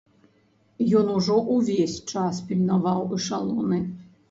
Ён ужо ўвесь час пільнаваў эшалоны.